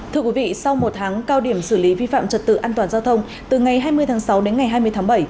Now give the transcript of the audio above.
thưa quý vị sau một tháng cao điểm xử lý vi phạm trật tự an toàn giao thông từ ngày hai mươi tháng sáu đến ngày hai mươi tháng bảy